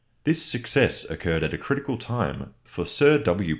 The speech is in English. This success occurred at a critical time, for Sir W.